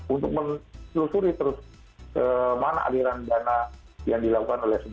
untuk menyelusuri terus kemana aliran dana yang dilakukan oleh sd